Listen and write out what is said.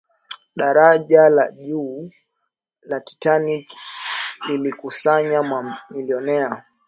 daraja la juu la titanic lilikusanya mamilionea